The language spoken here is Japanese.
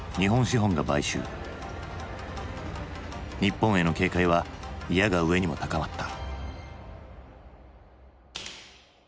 日本への警戒はいやが上にも高まった。